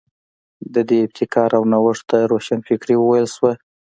د دغې ابتکار او نوښت ته روښانفکري وویل شوه.